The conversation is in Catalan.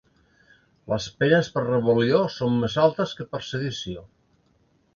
Les penes per rebel·lió són més altes que per sedició